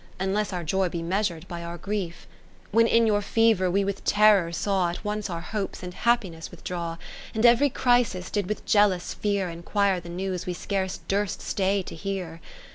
Unless our joy be measur'd by our grief. When in your fever we with terror saw At once our hopes and happiness withdraw ; Tl'o the Queen s Majesty And every crisis did with jealous fear Inquire the news we scarce durst stay to hear.